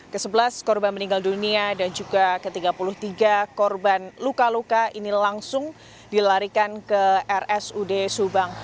ke sebelas korban meninggal dunia dan juga ke tiga puluh tiga korban luka luka ini langsung dilarikan ke rsud subang